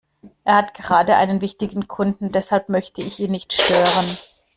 Er hat gerade einen wichtigen Kunden, deshalb möchte ich ihn nicht stören.